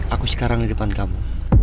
aku sekarang di depan kamu